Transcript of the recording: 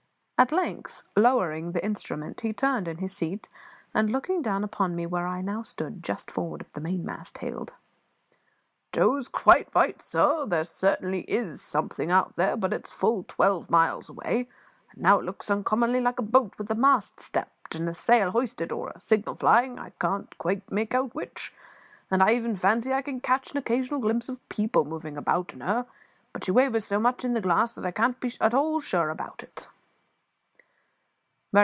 At length, lowering the instrument, he turned in his seat, and, looking down upon me where I now stood, just forward of the mainmast, hailed "Joe is quite right, sir. There certainly is something out there, but it is fully twelve miles away, and it looks uncommonly like a boat with a mast stepped and a sail hoisted, or a signal flying. I can't quite make out which and I even fancy I can catch an occasional glimpse of people moving about in her; but she wavers so much in the glass that I can't be at all sure about it."